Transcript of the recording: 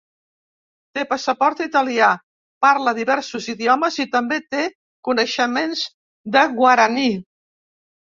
Té passaport italià, parla diversos idiomes i també té coneixements de guaraní.